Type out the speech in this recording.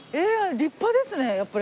立派ですねやっぱり。